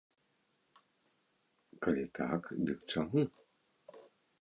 Калі так, дык чаму?